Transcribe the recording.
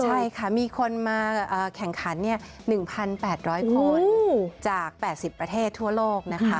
ใช่ค่ะมีคนมาแข่งขัน๑๘๐๐คนจาก๘๐ประเทศทั่วโลกนะคะ